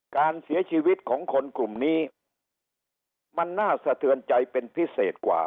การเสียชีวิตของคนกลุ่มนี้มันน่าสะเทือนใจเป็นพิเศษกว่า